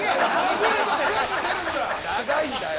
長いんだよ！